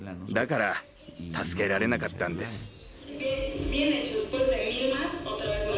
だから助けられなかったんです。